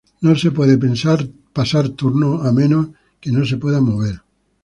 No se puede pasar turno, a menos que no se pueda mover.